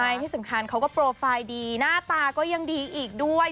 ใช่ที่สำคัญเขาก็โปรไฟล์ดีหน้าตาก็ยังดีอีกด้วย